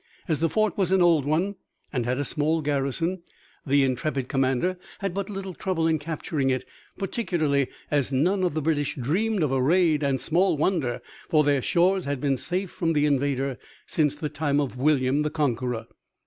As the fort was an old one and had a small garrison, the intrepid commander had but little trouble in capturing it, particularly as none of the British dreamed of a raid and small wonder, for their shores had been safe from the invader since the time of William the Conqueror.